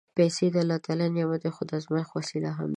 پېسې د الله نعمت دی، خو د ازمېښت وسیله هم ده.